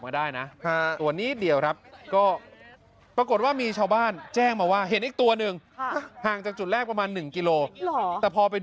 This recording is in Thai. ไม่ยากเพราะมีความเข้าใจกับมันครับผม